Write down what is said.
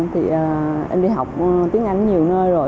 thì em đi học tiếng anh ở nhiều nơi rồi